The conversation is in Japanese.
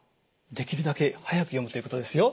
できるだけ速く読むということですよ。